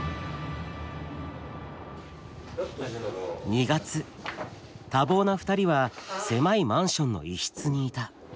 ２月多忙な２人は狭いマンションの１室にいた。